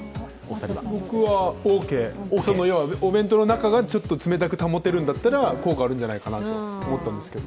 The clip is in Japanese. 僕はオーケー、お弁当の中がちょっと冷たく保てるんなら効果あるんじゃないかなと思ったんですけど。